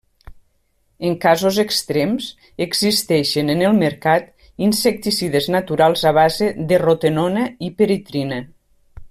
En casos extrems existeixen en el mercat insecticides naturals a base de rotenona o piretrina.